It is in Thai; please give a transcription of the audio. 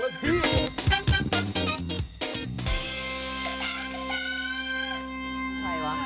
ใครวะ